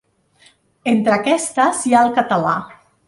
Entre aquestes hi ha el català.